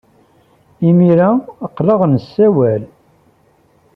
Imir-a, aql-aɣ nessawal.